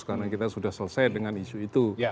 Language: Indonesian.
karena kita sudah selesai dengan isu itu